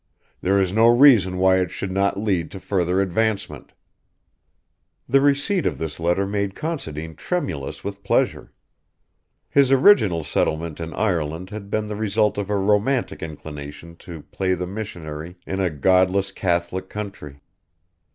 There is no reason why it should not lead to further advancement_." The receipt of this letter made Considine tremulous with pleasure. His original settlement in Ireland had been the result of a romantic inclination to play the missionary in a godless Catholic country.